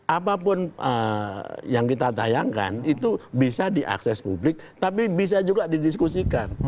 apapun yang kita tayangkan itu bisa diakses publik tapi bisa juga didiskusikan